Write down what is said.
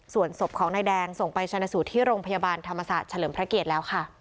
ส่วนศพของนายแดงส่งไปชนะสูตรที่โรงพยาบาลธรรมศาสตร์เฉลิมพระเกียรติแล้วค่ะ